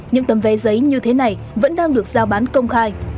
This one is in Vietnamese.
những tấm vé giấy như thế này vẫn đang được giao bán công khai